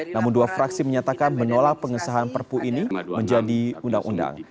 namun dua fraksi menyatakan menolak pengesahan perpu ini menjadi undang undang